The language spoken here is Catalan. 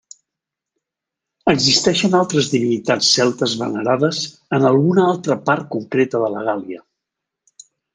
Existeixen altres divinitats celtes venerades en alguna part concreta de la Gàl·lia.